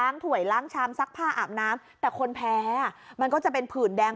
มันก็จะเป็นผื่นแดง